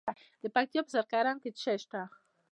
د پکتیا په سید کرم کې څه شی شته؟